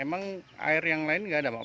emang air yang lain nggak ada pak